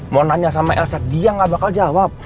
mau nanya sama elsa dia nggak bakal jawab